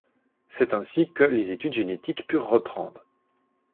C'est ainsi que les études génétiques purent reprendre.